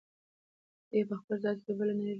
دی په خپل ذات کې یوه بله نړۍ لټوي.